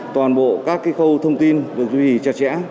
toàn bộ các khâu thông tin được duy trì chặt chẽ